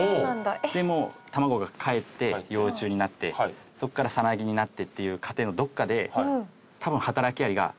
でも卵がかえって幼虫になってそこからサナギになってっていう過程のどこかで。